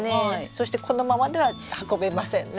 そしてこのままでは運べませんね。